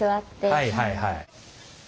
はいはいはい。